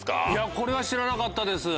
これは知らなかったです